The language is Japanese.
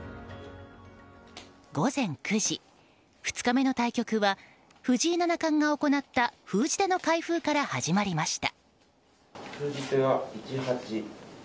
午前９時、２日目の対局は藤井七冠が行った封じ手の開封から始まりました。